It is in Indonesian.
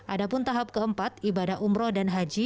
ada pun tahap keempat ibadah umroh dan haji